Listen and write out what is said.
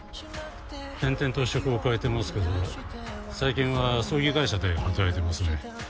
転々と職を変えてますけど最近は葬儀会社で働いてますね。